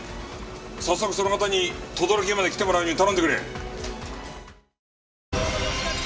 早速その方に等々力まで来てもらうように頼んでくれ。